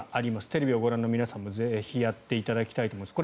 テレビをご覧の皆さんもぜひやってみていただきたいと思います。